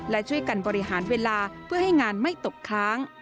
และช่วยกันบริหารเวลาเพื่อให้งานไม่ตกค้าง